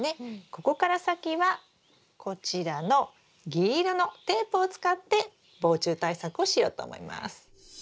ここから先はこちらの銀色のテープを使って防虫対策をしようと思います。